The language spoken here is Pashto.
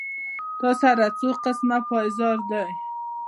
تا سره څو قسمه پېزار دي